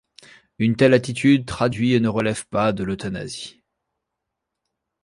Une telle attitude traduit et ne relève pas de l'euthanasie.